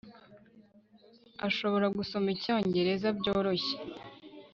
ashobora gusoma icyongereza byoroshye